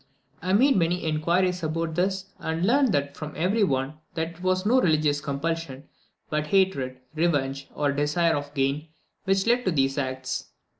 I made many inquiries about this, and learnt from every one that it was no religious compulsion, but hatred, revenge, or desire of gain, which led to these acts.